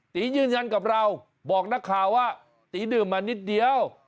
ตียืนยันกับเราบอกนักข่าวว่าตีดื่มมานิดเดียว